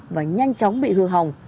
và nhanh chóng bị hư hỏng